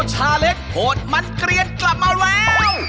โหดมันเกลี้ยนกลับมาแล้ว